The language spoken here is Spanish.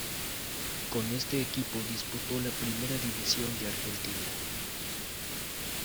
Con este equipo disputó la Primera División de Argentina.